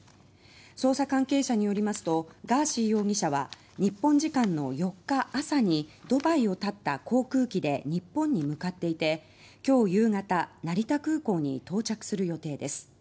捜査関係者によりますとガーシー容疑者は日本時間の４日朝にドバイを発った航空機で日本に向かっていて今日夕方成田空港に到着する予定です。